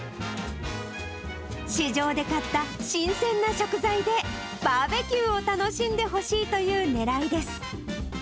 市場で買った新鮮な食材で、バーベキューを楽しんでほしいというねらいです。